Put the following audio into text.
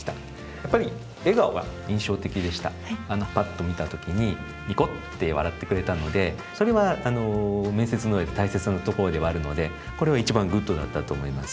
やっぱりぱっと見た時ににこって笑ってくれたのでそれは面接の上で大切なところではあるのでこれは一番グッドだったと思います。